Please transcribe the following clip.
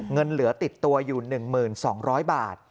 เงินเหลือติดตัวอยู่๑๒๐๐บาท